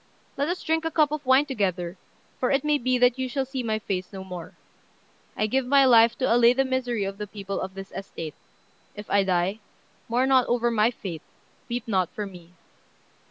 Let us drink a cup of wine together, for it may be that you shall see my face no more. I give my life to allay the misery of the people of this estate. If I die, mourn not over my fate; weep not for me."